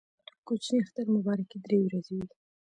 د کوچني اختر مبارکي درې ورځې وي.